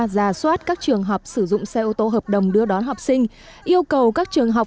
giả soát các trường hợp sử dụng xe ô tô hợp đồng đưa đón học sinh yêu cầu các trường học